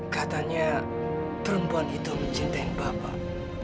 katanya perempuan itu mencintai bapak